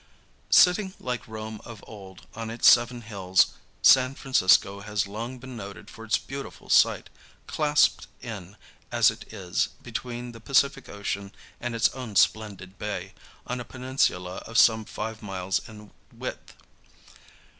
Sitting, like Rome of old, on its seven hills, San Francisco has long been noted for its beautiful site, clasped in, as it is, between the Pacific Ocean and its own splendid bay, on a peninsula of some five miles in width.